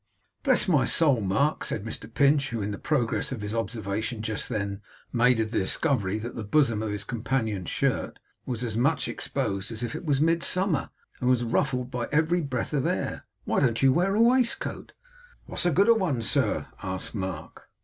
'But bless my soul, Mark,' said Mr Pinch, who in the progress of his observation just then made the discovery that the bosom of his companion's shirt was as much exposed as if it was Midsummer, and was ruffled by every breath of air, 'why don't you wear a waistcoat?' 'What's the good of one, sir?' asked Mark.